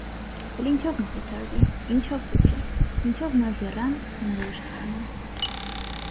Էլ ինչո՞վ մխիթարվի, ինչո՞վ հուսա, ինչո՞վ նոր եռանդ, նոր ուժ ստանա…